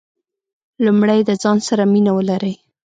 لومړی د ځان سره مینه ولرئ .